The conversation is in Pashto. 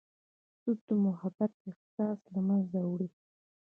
سود د محبت احساس له منځه وړي.